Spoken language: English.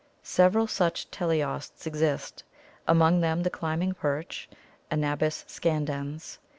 Several such teleosts exist, among them the climbing perch, Anabas scandens (Fig.